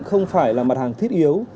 không phải là mặt hàng thiết yếu